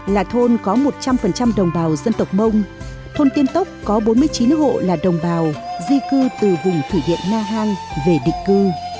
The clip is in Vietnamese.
là thôn có một trăm linh đồng bào dân tộc mông thôn tiên tốc có bốn mươi chín hộ là đồng bào di cư từ vùng thủy điện na hàng về định cư